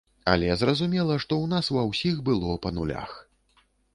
Але зразумела, што ў нас ва ўсіх было па нулях.